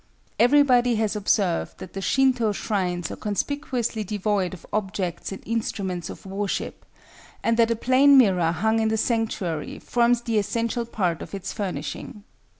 Everybody has observed that the Shinto shrines are conspicuously devoid of objects and instruments of worship, and that a plain mirror hung in the sanctuary forms the essential part of its furnishing.